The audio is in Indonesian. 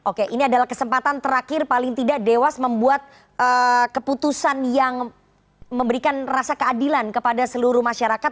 oke ini adalah kesempatan terakhir paling tidak dewas membuat keputusan yang memberikan rasa keadilan kepada seluruh masyarakat